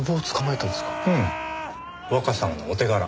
うん若様のお手柄。